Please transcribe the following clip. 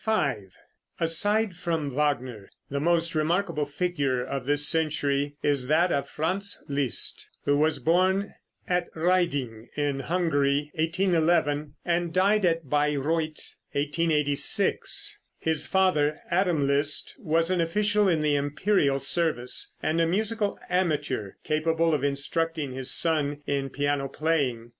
V. Aside from Wagner, the most remarkable figure of this century is that of Franz Liszt, who was born at Raiding, in Hungary, 1811, and died at Bayreuth, 1886. His father, Adam Liszt, was an official in the imperial service, and a musical amateur, capable of instructing his son in piano playing.